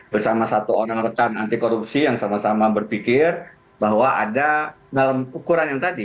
bersama satu orang rekan anti korupsi yang sama sama berpikir bahwa ada dalam ukuran yang tadi